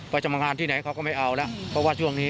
จะมางานที่ไหนเขาก็ไม่เอาแล้วเพราะว่าช่วงนี้